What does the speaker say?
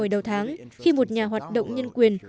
vào tháng khi một nhà hoạt động nhân quyền